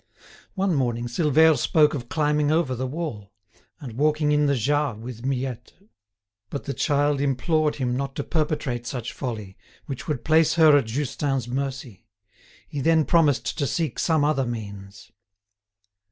One morning Silvère spoke of climbing over the wall, and walking in the Jas with Miette. But the child implored him not to perpetrate such folly, which would place her at Justin's mercy. He then promised to seek some other means.